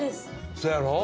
そやろ？